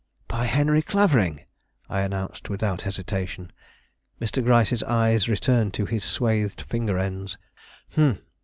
"By Henry Clavering," I announced without hesitation. Mr. Gryce's eyes returned to his swathed finger ends.